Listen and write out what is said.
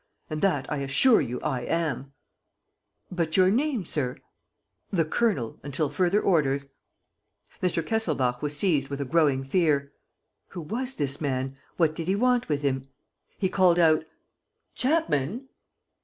And that, I assure you, I am!" "But your name, sir? ..." "The Colonel ... until further orders." Mr. Kesselbach was seized with a growing fear. Who was this man? What did he want with him? He called out: "Chapman!"